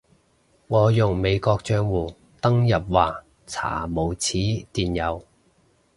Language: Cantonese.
我用美國帳戶登入話查無此電郵